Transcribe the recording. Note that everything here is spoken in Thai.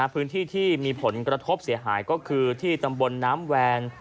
พื้นที่ที่มีผลกระทบเสียหายก็คือที่ตำบลน้ำแวน